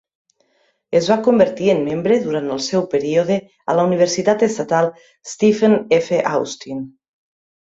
Es va convertir en membre durant el seu període a la Universitat Estatal Stephen F. Austin.